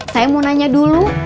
saya mau nanya dulu